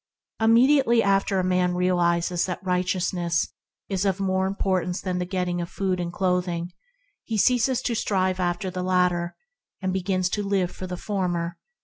Immediately a man realizes that righteousness is of more importance than the getting of food and clothing, he ceases to strive after the latter, and begins to live for the former.